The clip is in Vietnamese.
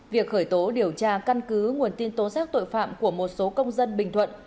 việc khởi tố điều tra căn cứ nguồn tin tố giác tội phạm của một số công dân bình thuận